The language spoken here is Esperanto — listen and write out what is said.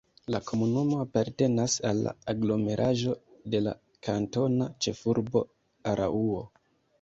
La komunumo apartenas al la aglomeraĵo de la kantona ĉefurbo Araŭo.